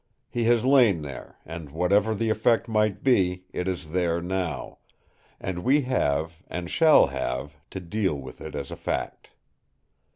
He has lain there, and whatever the effect might be, it is there now; and we have, and shall have, to deal with it as a fact.